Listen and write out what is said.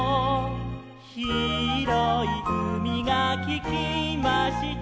「ひろいうみがききました」